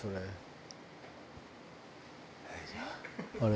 「あれ？